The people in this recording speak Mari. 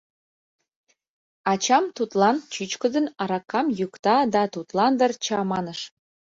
Ачам тудлан чӱчкыдын аракам йӱкта да, тудлан дыр «чаманыш».